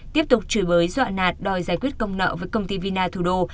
tiếp tục chửi bới dọa nạt đòi giải quyết công nợ với công ty vina thủ đô